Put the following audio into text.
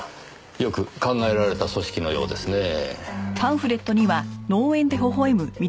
よく考えられた組織のようですねぇ。